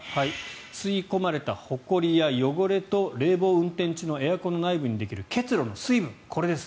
吸い込まれたほこりや汚れと冷房運転中のエアコンの内部にできる結露の水分。